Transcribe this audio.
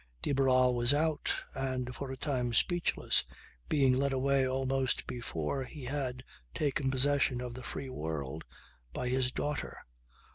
De Barral was out and, for a time speechless, being led away almost before he had taken possession of the free world, by his daughter.